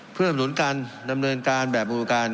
เพื่ออำนุนการดำเนินการแบบบริการ